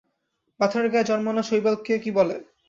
পাথরের গায়ে জন্মানো শৈবালকে কী বলে?